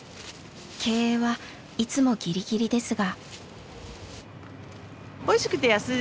経営はいつもギリギリですが。